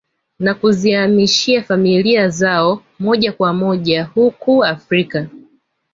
Na kuziamishia familia zao moja kwa moja huku Afrika